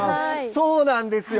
そうなんですよ。